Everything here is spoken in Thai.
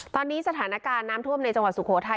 ตอนนี้สถานการณ์น้ำท่วมในจังหวัดสุโขทัย